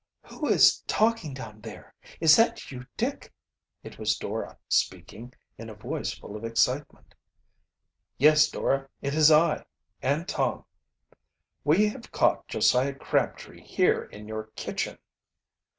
"Who is talking down there? Is that you, Dick?" It was Dora speaking, in a voice full of excitement. "Yes, Dora, it is I and Tom. We have caught Josiah Crabtree here in your kitchen."